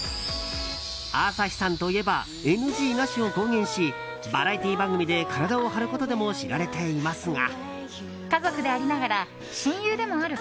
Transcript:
朝日さんといえばＮＧなしを公言しバラエティー番組で体を張ることでも知られていますが。